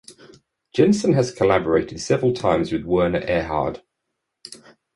Jensen has collaborated several times with Werner Erhard.